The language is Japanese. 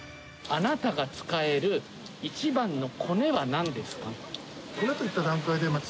あなたが使える一番のコネは何ですか？